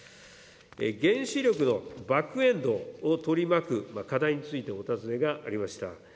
原子力のバックエンドを取り巻く課題について、お尋ねがありました。